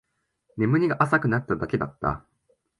眠りが浅くなっただけだった